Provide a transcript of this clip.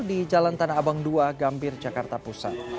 di jalan tanah abang dua gambir jakarta pusat